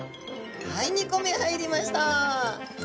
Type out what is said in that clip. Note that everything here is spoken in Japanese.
はい２個目入りました。